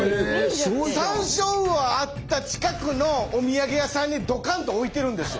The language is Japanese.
サンショウウオあった近くのお土産屋さんにどかんと置いてるんですよ。